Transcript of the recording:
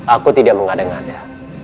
aku tidak mengada ngada